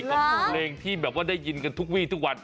กับเพลงที่แบบว่าได้ยินกันทุกวีทุกวัน